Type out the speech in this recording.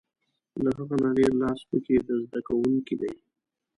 له هغه نه ډېر لاس په کې د زده کوونکي دی.